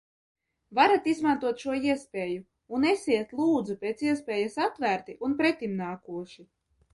Varat izmantot šo iespēju un esiet, lūdzu, pēc iespējas atvērti un pretimnākoši.